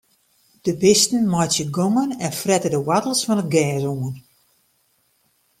De bisten meitsje gongen en frette de woartels fan it gers oan.